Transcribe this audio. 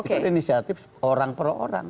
itu ada inisiatif orang per orang